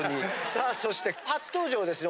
そして初登場ですね